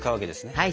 はい！